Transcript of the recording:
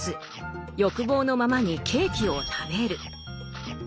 欲望のままにケーキを食べる。